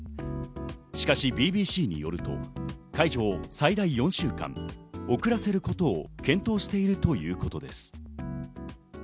しかしＢＢＣによると、解除を最大４週間遅らせることを検討しているということです。